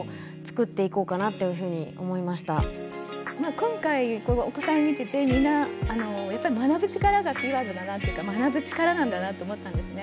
今回こうお子さん見てて皆やっぱり学ぶ力がキーワードだなっていうか学ぶ力なんだなと思ったんですね。